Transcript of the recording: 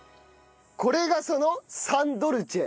これがそのサンドルチェ。